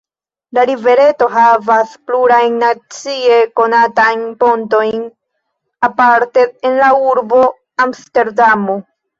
La rivereto havas plurajn nacie konatajn pontojn, aparte en la urbo Amsterdamo.